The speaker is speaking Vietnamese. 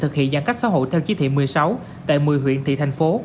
thực hiện giãn cách xã hội theo chí thị một mươi sáu tại một mươi huyện thị thành phố